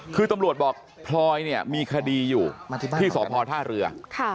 คือตำรวจบอกพลอยเนี่ยมีคดีอยู่ที่สพท่าเรือ